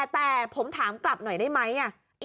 แต่ผมถามกลับหน่อยได้ไหม